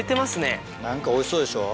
何かおいしそうでしょ。